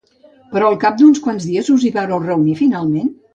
Però al cap d’uns quants dies us hi vàreu reunir finalment?